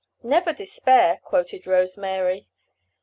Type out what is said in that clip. "Never despair," quoted Rose Mary.